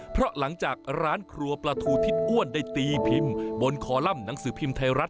เพราะหลังจากร้านครัวปลาทูทิศอ้วนได้ตีพิมพ์บนคอลัมป์หนังสือพิมพ์ไทยรัฐ